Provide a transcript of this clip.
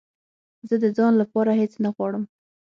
زه د ځان لپاره هېڅ نه غواړم